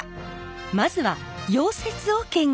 まずは溶接を見学！